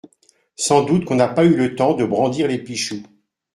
Sans doute qu'on n'a pas eu le temps de brandir les pichoux.